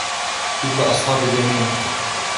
إِلاَّ أَصْحَابَ الْيَمِينِ